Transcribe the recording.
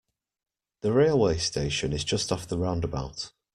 The railway station is just off the roundabout